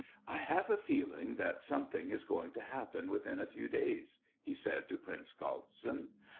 " I have a feeling that something is going to happen within a few days," he said to Prince Galtsin.